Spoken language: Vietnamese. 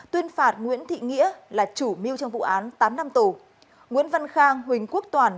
tuyên phạt nguyễn thị nghĩa là chủ mưu trong vụ án tám năm tù nguyễn văn khang huỳnh quốc toàn